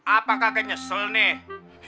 apakah kakek nyesel nih